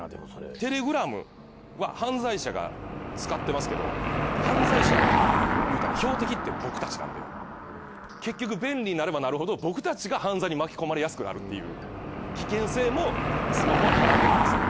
テレグラムは犯罪者が使ってますけど犯罪者のいうたら標的って僕たちなんで結局便利になればなるほど僕たちが犯罪に巻き込まれやすくなるっていう危険性もスマホははらんでるんですよ。